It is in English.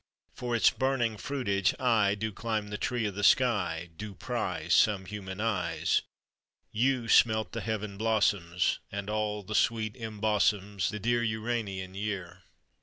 For its burning fruitage I Do climb the tree o' the sky; Do prize Some human eyes. You smelt the Heaven blossoms, And all the sweet embosoms The dear Uranian year.